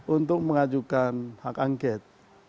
untuk mengajukan hak angket